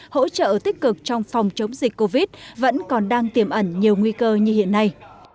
hỗ trợ tích cực trong phòng chống dịch covid vẫn còn đang tiềm ẩn nhiều nguy cơ như hiện nay